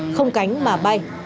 không cánh mà bay